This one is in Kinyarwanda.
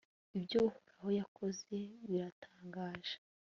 ibyo uhoraho yakoze biratangaje